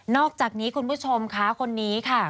อกจากนี้คุณผู้ชมค่ะคนนี้ค่ะ